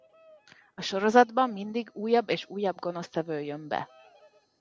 A sorozatban mindig újabb és újabb gonosztevő jön be.